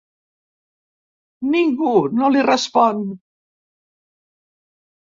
Ningú no li respon.